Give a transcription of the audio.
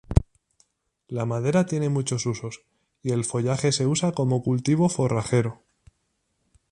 La madera tiene muchos usos, y el follaje se usa como cultivo forrajero.